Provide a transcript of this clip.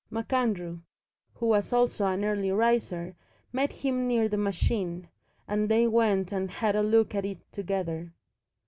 MacAndrew, who was also an early riser, met him near the machine, and they went and had a look at it together.